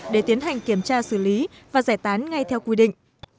để tiến hành kiểm tra xử lý và giải tán ngay theo quy định